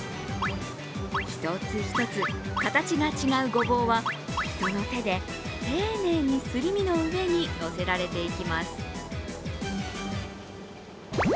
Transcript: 一つ一つ形が違うごぼうは人の手で丁寧にすり身の上にのせられていきます。